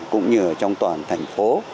cũng như trong toàn thành phố